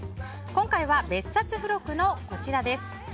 今回は別冊付録のこちらです。